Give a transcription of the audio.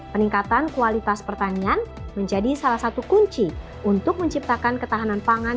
peningkatan kualitas pertanian menjadi salah satu kunci untuk menciptakan ketahanan pangan